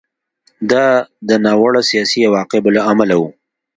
دا د ناوړه سیاسي عواقبو له امله و